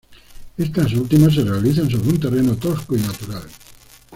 Estas últimas se realizan sobre un terreno tosco y natural.